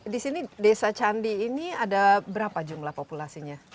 di sini desa candi ini ada berapa jumlah populasinya